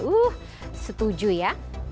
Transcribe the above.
uh setuju ya